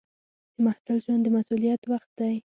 د محصل ژوند د مسؤلیت وخت دی.